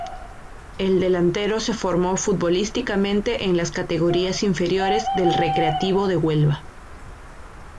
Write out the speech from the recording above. El delantero se formó futbolísticamente en las categorías inferiores del Recreativo de Huelva.